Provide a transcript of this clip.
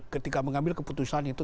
ketika mengambil keputusan itu